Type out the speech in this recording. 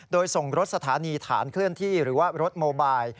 โดยส่งรถสถานีฐานเคลื่อนที่หรือว่ารถโมบาย